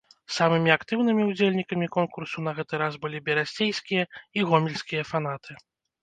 Самымі актыўнымі ўдзельнікамі конкурсу на гэты раз былі берасцейскія і гомельскія фанаты.